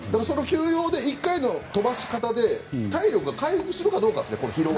休養で１回の飛ばし方で体力が回復するかどうかですね。